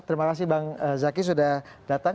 terima kasih bang zaky sudah datang